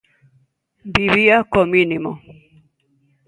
Vivía co mínimo.